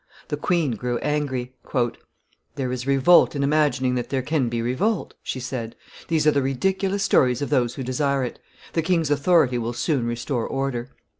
The queen grew angry. "There is revolt in imagining that there can be revolt," she said: "these are the ridiculous stories of those who desire it; the king's authority will soon restore order."